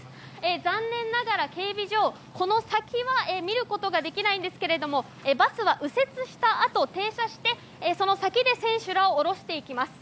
残念ながら警備上この先は見ることができないんですけれどもバスは右折したあと停車して、その先で選手らを降ろしていきます。